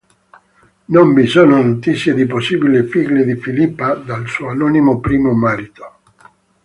Non vi sono notizie di possibili figli di Filippa dal suo anonimo primo marito.